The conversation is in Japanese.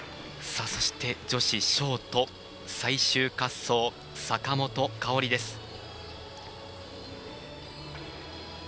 そして、女子ショート最終滑走、坂本花織です。